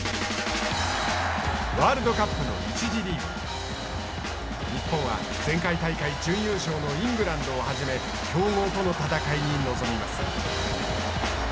ワールドカップの１次リーグ日本は前回大会準優勝のイングランドをはじめ強豪との戦いに臨みます。